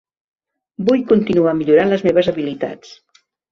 Vull continuar millorant les meves habilitats.